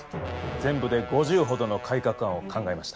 全部で５０ほどの改革案を考えました。